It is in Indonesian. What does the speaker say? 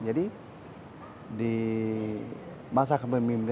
jadi di masa kepemimpinan pak budi